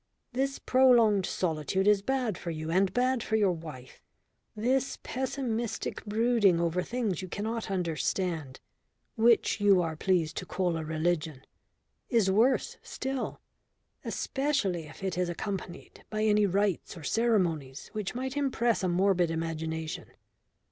This prolonged solitude is bad for you and bad for your wife. This pessimistic brooding over things you cannot understand which you are pleased to call a religion is worse still, especially if it is accompanied by any rites or ceremonies which might impress a morbid imagination.